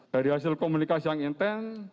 dari hasil komunikasi yang intens